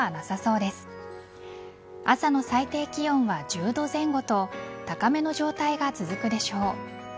朝の最低気温は１０度前後と高めの状態が続くでしょう。